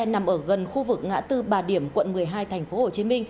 nằm ở gần khu vực ngã tư bà điểm quận một mươi hai tp hcm